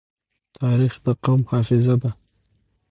تاریخ د قوم حافظه ده.